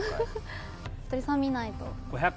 ひとりさんは見ないと。